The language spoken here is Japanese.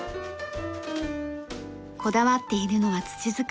こだわっているのは土づくり。